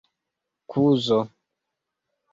kuzo